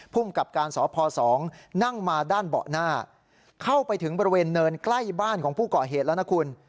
ภูมิกับการสพ๒นั่งมาด้านเบาะหน้าเข้าไปถึงบริเวณเนินใกล้บ้านของผู้ก่อเหตุแล้วนะคุณ